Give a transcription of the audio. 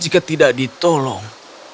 jika tidak ditolong